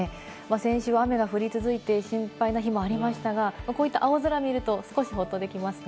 先週は雨が降り続いて心配な日もありましたが、こういった青空を見ると少しほっとできますね。